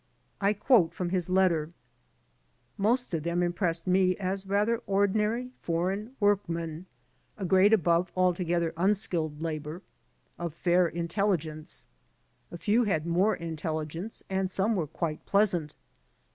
I quote from his letter : "Most of them impressed me as rather ordinary foreign workmen, a grade above altogether unskilled labor, of fair in telligence. A few had more intelligence and some were quite pleasant.